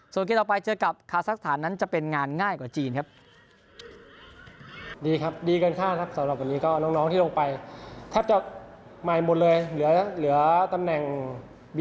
ส่วนเกมต่อไปเจอกับคาซักสถานนั้นจะเป็นงานง่ายกว่าจีนครับ